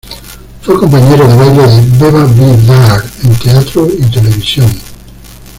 Fue compañero de baile de Beba Bidart en teatro y televisión.